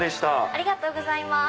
ありがとうございます。